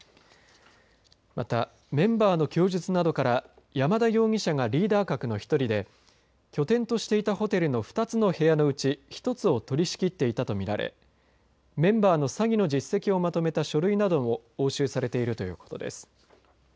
また、メンバーの供述などから山田容疑者がリーダー格の１人で拠点としていたホテルの２つの部屋のうち１つを取りしきっていたと見られメンバーの詐欺の実績をまとめた書類なども押収されているということです。